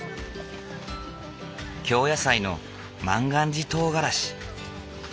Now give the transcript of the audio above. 京野菜の万願寺とうがらし。